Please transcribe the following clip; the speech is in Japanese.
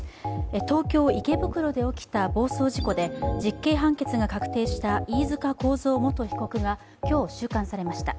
東京・池袋で起きた暴走事故で実刑判決が確定した飯塚幸三元被告が今日、収監されました。